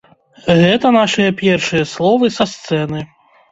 Гэта нашыя першыя словы са сцэны.